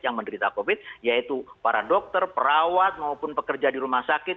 yang menderita covid yaitu para dokter perawat maupun pekerja di rumah sakit